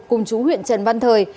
cùng chú huyện trần văn thời